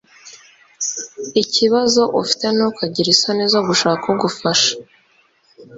ikibazo u fite ntukagire isoni zo gushaka ugufasha